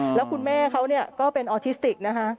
แล้วคุณแม่เขาก็เป็นออทิสติกนะคะ